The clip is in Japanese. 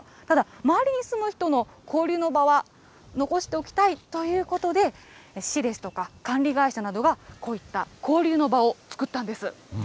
ただ、周りに住む人の交流の場は残しておきたいということで、市ですとか管理会社などが、こういった交流の場を作ったんです。